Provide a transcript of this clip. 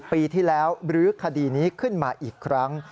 ปีที่แล้วบรื้อคดีนี้ขึ้นมาอีกครั้ง